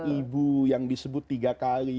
ibu yang disebut tiga kali